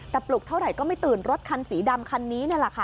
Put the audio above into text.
แต่ปลุกเท่าไหร่ก็ไม่ตื่นรถคันสีดำคันนี้นี่แหละค่ะ